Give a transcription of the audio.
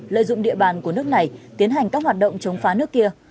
lợi dụng địa bàn của nước này tiến hành các hoạt động chống phá nước kia